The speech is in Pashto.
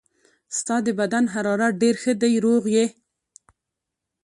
ستا د بدن حرارت ډېر ښه دی، روغ یې.